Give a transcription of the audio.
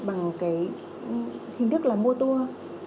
bằng hình thức là mua tour